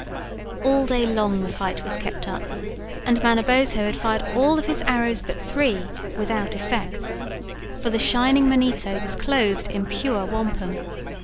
All day long the fight was kept up, and Manabozho had fired all of his arrows but three without effect, for the Shining Manito was clothed in pure wampum.